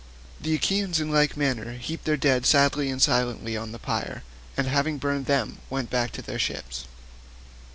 The Achaeans in like manner heaped their dead sadly and silently on the pyre, and having burned them went back to their ships.